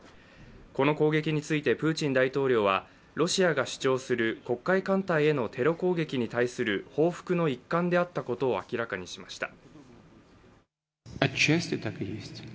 この攻撃について、プーチン大統領は、ロシアが主張する黒海艦隊へのテロ攻撃に対する報復の一環であったことを明らかにしました。